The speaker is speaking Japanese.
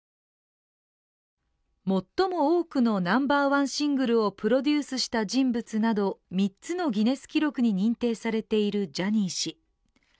最も多くのナンバーワンシングルをプロデュースした人物など３つのギネス記録に認定されているジャニー氏。